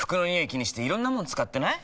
気にしていろんなもの使ってない？